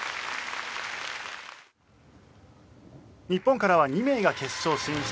日本からは２名が決勝進出。